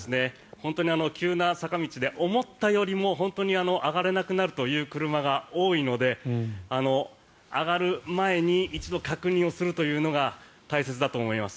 本当に急な坂道で思ったよりも、本当に上がれなくなるという車が多いので上がる前に一度確認をするというのが大切だと思います。